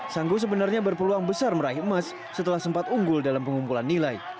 sanggu sebenarnya berpeluang besar meraih emas setelah sempat unggul dalam pengumpulan nilai